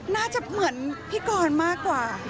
น่าจะเหมือนพี่กรมากกว่า